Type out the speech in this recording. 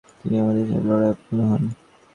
তিনি তাদের সাথে লড়াইয়ে অবতীর্ণ হন।